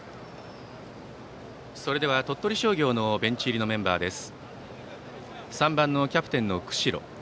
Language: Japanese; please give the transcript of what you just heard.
それでは鳥取商業のベンチ入りのメンバーです。